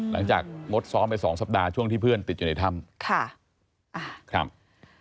หลังจากงดซ้อมไป๒สัปดาห์ช่วงที่เพื่อนติดอยู่ในถ้ำ